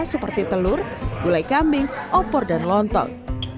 seperti telur gulai kambing opor dan lontong